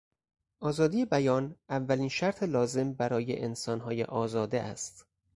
آزادی بیان اولین شرط لازم برای انسانهای آزاده است.